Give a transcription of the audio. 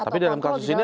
tapi dalam kasus ini